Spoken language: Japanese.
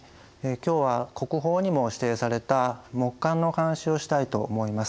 今日は国宝にも指定された木簡のお話をしたいと思います。